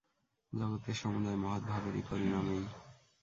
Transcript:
জগতের সমুদয় মহৎ ভাবেরই পরিণাম এই।